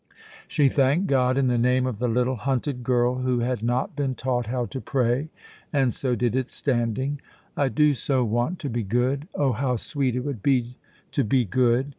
She thanked God, in the name of the little hunted girl who had not been taught how to pray, and so did it standing. "I do so want to be good; oh, how sweet it would be to be good!"